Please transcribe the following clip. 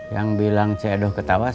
yang bilang ce eduh ketawa siapa